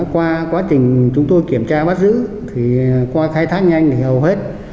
qua quá trình chúng tôi kiểm tra bắt giữ thì qua khai thác nhanh thì hầu hết